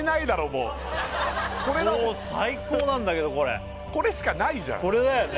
もうもう最高なんだけどこれこれしかないじゃんこれだよね